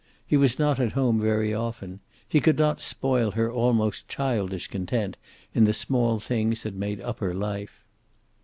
He was not at home very often. He could not spoil her almost childish content in the small things that made up her life.